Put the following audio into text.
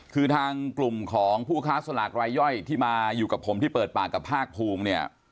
คือทางกลุ่มของผู้ค้าสลากรายย่อยที่มาอยู่กับผมที่เปิดปากกับภาคภูมิเนี่ย